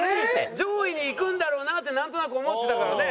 上位に行くんだろうなってなんとなく思ってたからね。